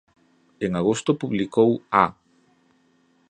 En agosto publicou "A".